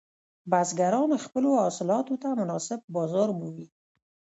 بزګران خپلو حاصلاتو ته مناسب بازار مومي.